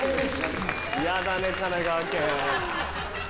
嫌だね神奈川犬。